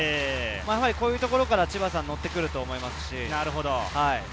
こういうところから千葉さん、乗ってくると思いますし。